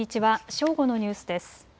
正午のニュースです。